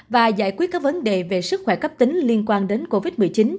và giải quyết các vấn đề về sức khỏe cấp tính liên quan đến covid một mươi chín